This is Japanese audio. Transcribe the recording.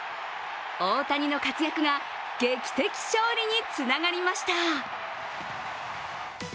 大谷の活躍が劇的勝利につながりました。